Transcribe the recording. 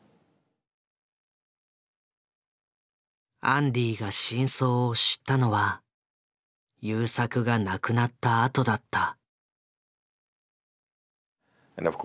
アンディが真相を知ったのは優作が亡くなったあとだった。